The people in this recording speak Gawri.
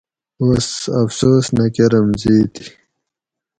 بس افسوس نہ کۤرم زیتی